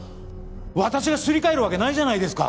私がすり替えるわけないじゃないですか。